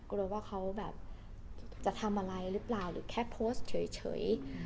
กลัวว่าเขาแบบจะทำอะไรหรือเปล่าหรือแค่โพสต์เฉย